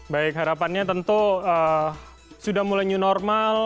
baik harapannya tentu sudah mulai new normal